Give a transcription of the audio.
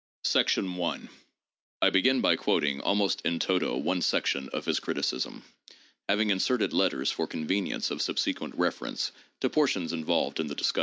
I I begin by quoting almost in t&to one section of his criticism, having inserted letters for convenience of subsequent reference to portions involved in the discussion.